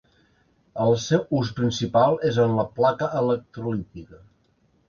El seu ús principal és en la placa electrolítica.